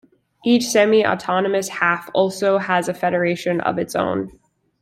Each semi-autonomous half also has a federation of its own.